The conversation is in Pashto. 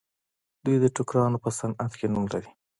دوی د ټوکرانو په صنعت کې نوم لري.